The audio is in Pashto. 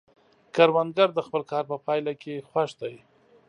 کروندګر د خپل کار په پایله کې خوښ دی